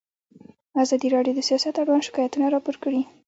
ازادي راډیو د سیاست اړوند شکایتونه راپور کړي.